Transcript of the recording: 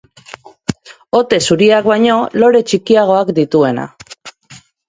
Ote zuriak baino lore txikiagoak dituena.